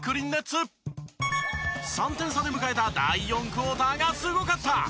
３点差で迎えた第４クオーターがすごかった！